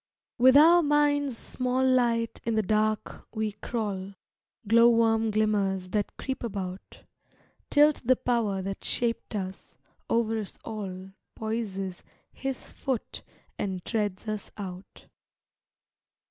With our mind's small light in the dark we crawl, Glow worm glimmers that creep about, Tilt the Power that shaped us, over us all Poises His foot and treads us out.